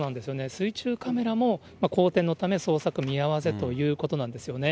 水中カメラも荒天のため、捜索見合わせということなんですよね。